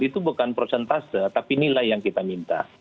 itu bukan prosentase tapi nilai yang kita minta